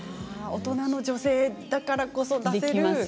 大人の女性だからこそ出せる。